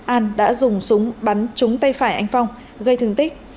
an đã dùng súng bắn trúng tay phải anh phong gây thương tích